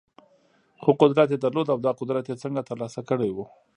خو قدرت يې درلود او دا قدرت يې څنګه ترلاسه کړی و؟